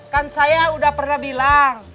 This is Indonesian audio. kan saya udah pernah bilang